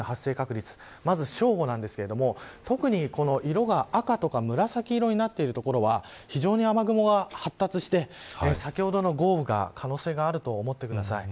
まず正午ですが特に色が赤とか紫色になっている所は非常に雨雲が発達して先ほどの豪雨の可能性があると思ってください。